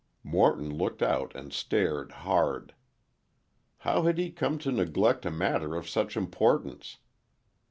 Morton looked out and stared hard. How had he come to neglect a matter of such importance.